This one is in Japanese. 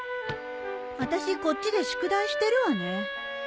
私こっちで宿題してるわね。